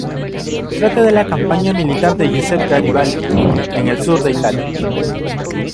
Trata de la campaña militar de Giuseppe Garibaldi en el sur de Italia.